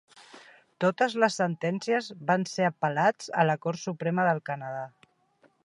Totes les sentències van ser apel·lats a la Cort Suprema del Canadà.